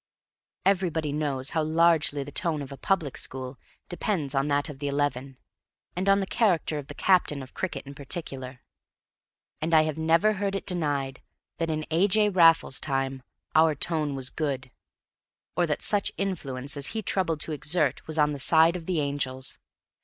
Everybody knows how largely the tone of a public school depends on that of the eleven, and on the character of the captain of cricket in particular; and I have never heard it denied that in A. J. Raffles's time our tone was good, or that such influence as he troubled to exert was on the side of the angels.